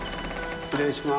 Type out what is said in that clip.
失礼します。